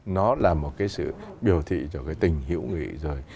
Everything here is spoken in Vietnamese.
nó là một cái sự biểu thị cho cái tình hữu nghị rồi